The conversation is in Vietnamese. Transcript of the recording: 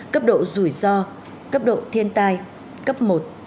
cấp độ rủi ro cấp độ thiên tai cấp một